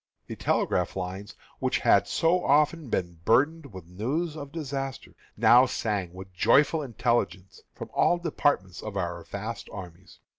The telegraph lines, which had so often been burdened with news of disaster, now sang with joyful intelligence from all departments of our vast armies.